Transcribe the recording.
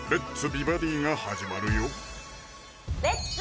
美バディ」が始まるよ「レッツ！